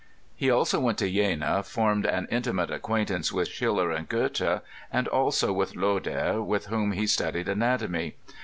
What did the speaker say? He also went to Jena, formed an intimate acquaintance with Schiller and Goethe, and and also with Loder, with whom he studied anatomy.